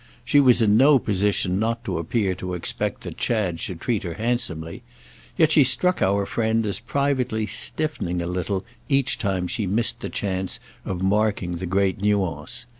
She was in no position not to appear to expect that Chad should treat her handsomely; yet she struck our friend as privately stiffening a little each time she missed the chance of marking the great nuance.